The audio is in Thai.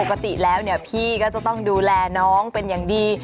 ปกติแล้วเนี่ยพี่ก็จะต้องดูแลน้องเป็นอย่างดี